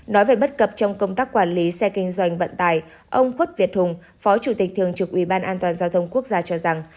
nói về bất cập trong công tác quản lý xe kinh doanh vận tài ông khuất việt hùng phó chủ tịch thường trực ủy ban an toàn giao thông quốc gia cho rằng